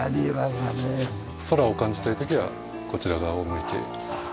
空を感じたい時はこちら側を向いて。